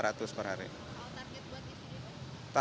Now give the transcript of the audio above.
target sudirman hampir sama dengan jalan braga